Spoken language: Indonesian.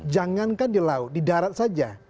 jangan kan di laut di darat saja